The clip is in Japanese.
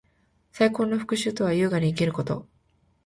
最高の復讐とは，優雅に生きること。